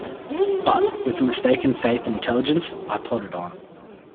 But, with a mistaken faith in intelligence, I plodded on.